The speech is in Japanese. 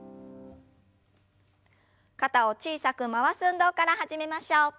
肩を小さく回す運動から始めましょう。